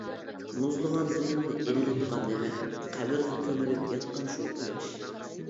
مۇزلىغان زېمىننى ئىللىتقان نېمە؟ قەبرىگە كۆمۈلۈپ ياتقان شۇ قۇياش!